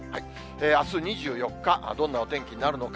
あす２４日、どんなお天気になるのか。